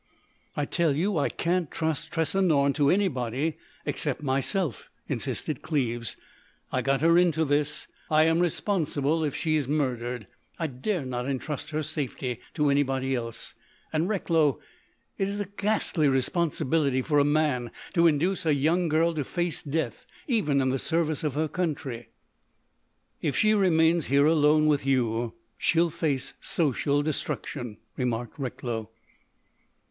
"I tell you I can't trust Tressa Norne to anybody except myself," insisted Cleves. "I got her into this; I am responsible if she is murdered; I dare not entrust her safety to anybody else. And, Recklow, it's a ghastly responsibility for a man to induce a young girl to face death, even in the service of her country." "If she remains here alone with you she'll face social destruction," remarked Recklow.